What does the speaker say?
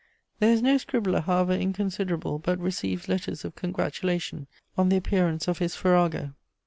There is no scribbler, however inconsiderable, but receives letters of congratulation on the appearance of his _farrago.